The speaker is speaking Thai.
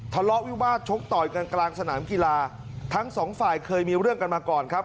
ทะเลาะวิวาสชกต่อยกันกลางสนามกีฬาทั้งสองฝ่ายเคยมีเรื่องกันมาก่อนครับ